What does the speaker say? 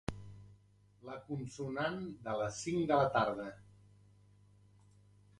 La consonant de les cinc de la tarda.